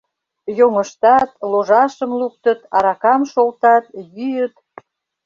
Йоҥыштат, ложашым луктыт, аракам шолтат, йӱыт.